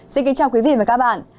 xin kính chào quý vị và các bạn